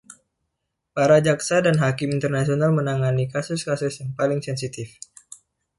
Para jaksa dan hakim internasional menangani kasus-kasus yang paling sensitif.